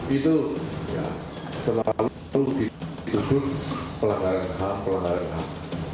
itu selalu dituduh pelanggaran ham pelanggaran ham